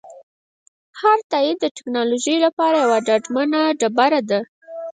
هر تایید د ټکنالوژۍ لپاره یوه ډاډمنه ډبره ده.